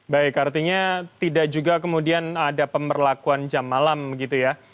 baik artinya tidak juga kemudian ada pemberlakuan jam malam begitu ya